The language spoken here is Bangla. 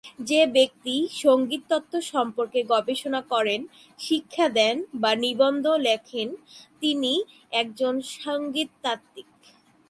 যে ব্যক্তি সংগীত তত্ত্ব সম্পর্কে গবেষণা করেন, শিক্ষা দেন বা নিবন্ধ লেখেন তিনি একজন সংগীত তাত্ত্বিক।